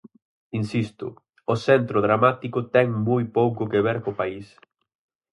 Insisto, o Centro Dramático ten moi pouco que ver co país.